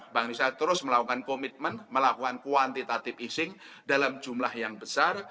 bang nusyam terus melakukan komitmen melakukan quantitative easing dalam jumlah yang besar